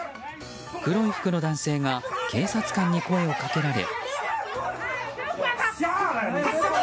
黒い服の男性が警察官に声をかけられ。